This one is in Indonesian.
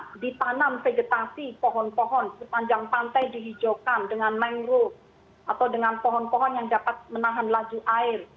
kemudian ditanam vegetasi pohon pohon sepanjang pantai dihijaukan dengan mangrove atau dengan pohon pohon yang dapat menahan laju air